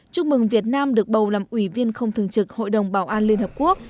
chúc mừng việt nam được bầu làm ủy viên không thường trực hội đồng bảo an liên hợp quốc